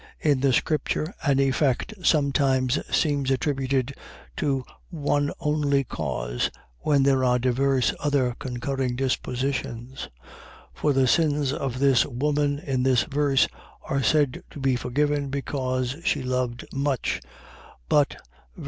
. .In the scripture an effect sometimes seems attributed to one only cause, when there are divers other concurring dispositions; for the sins of this woman, in this verse, are said to be forgiven, because she loved much: but (ver.